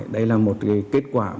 đây là một kết quả